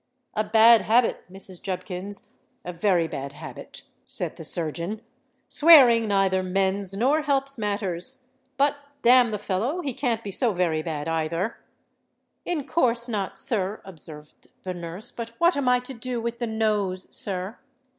"A bad habit, Mrs. Jubkins—a very bad habit," said the surgeon: "swearing neither mends nor helps matters. But damn the fellow—he can't be so very bad, either." "In course not, sir," observed the nurse. "But what am I to do with the Nose, sir?"